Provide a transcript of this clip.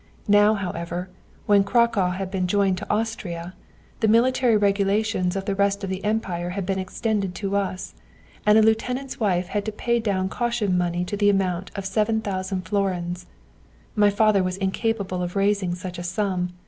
Now, however, when Cracow had been joined to Austria, the military regulations of the rest of the empire had been extended to us, and a lieutenant's wife had to pay down caution money to the amount of 7,000 florins. My father was incapable of raising such a sum.